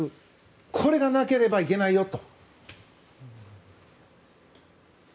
これがなければいけないよと。